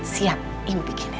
siap ibu bikinnya